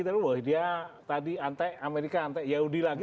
tadi woy dia antek amerika antek yahudi lagi